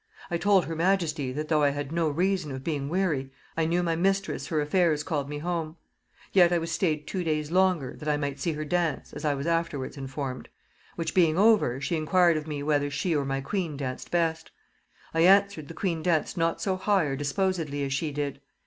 I told her majesty, that though I had no reason of being weary, I knew my mistress her affairs called me home; yet I was stayed two days longer, that I might see her dance, as I was afterward informed. Which being over, she enquired of me whether she or my queen danced best? I answered, the queen danced not so high or disposedly as she did.